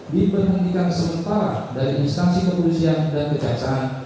diberhentikan sementara dari instansi kepolisian dan kejaksaan